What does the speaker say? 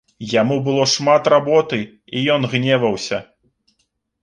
Яму было шмат работы, і ён гневаўся.